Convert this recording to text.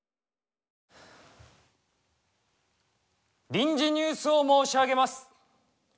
臨時ニュースを申し上げます。